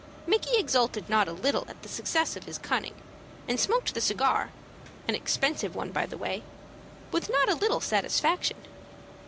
Micky exulted not a little at the success of his cunning, and smoked the cigar an expensive one, by the way with not a little satisfaction.